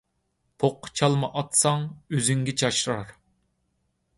پوققا چالما ئاتساڭ، ئۆزۈڭگە چاچرار.